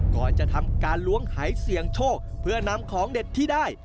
ก่อนจะทำการล้วงหายเสี่ยงโชคเพื่อนำของเด็ดที่ได้